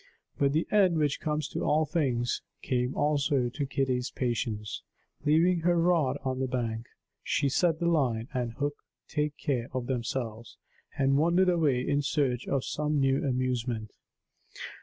But the end which comes to all things came also to Kitty's patience. Leaving her rod on the bank, she let the line and hook take care of themselves, and wandered away in search of some new amusement.